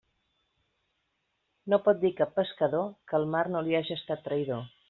No pot dir cap pescador que el mar no li haja estat traïdor.